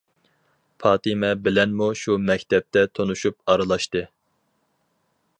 پاتىمە بىلەنمۇ شۇ مەكتەپتە تونۇشۇپ ئارىلاشتى.